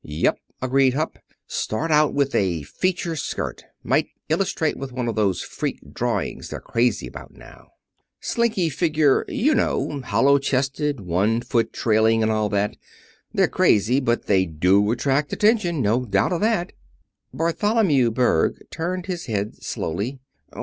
"Yep," agreed Hupp. "Start out with a feature skirt. Might illustrate with one of those freak drawings they're crazy about now slinky figure, you know, hollow chested, one foot trailing, and all that. They're crazy, but they do attract attention, no doubt of that." Bartholomew Berg turned his head slowly.